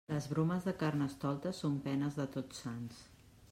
Les bromes de Carnestoltes són penes de Tots Sants.